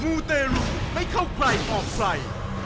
มูเตรุไม่เข้าใครออกใคร